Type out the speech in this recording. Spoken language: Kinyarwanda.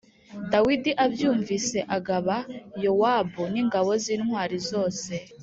Dawidi abyumvise agaba Yowabu n’ingabo z’intwari zose.